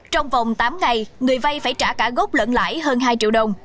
trong vòng tám ngày người vay phải trả cả gốc lẫn lãi hơn hai triệu đồng